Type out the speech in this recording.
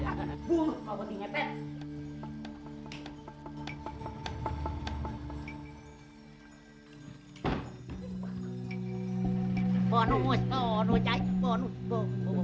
itu kamu bonus buat kita